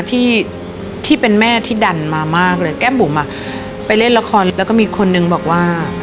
ที่ที่เป็นแม่ที่ดันมามากเลยแก้มบุ๋มอ่ะไปเล่นละครแล้วก็มีคนนึงบอกว่า